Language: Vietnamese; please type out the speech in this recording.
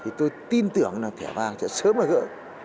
thì tôi tin tưởng là thẻ vàng sẽ sớm và gỡ